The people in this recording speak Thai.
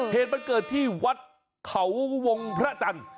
เหตุมันเกิดที่วัดเขาวงพระจันทร์